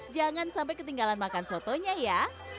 jangan sampai ketinggalan makan sotonya ya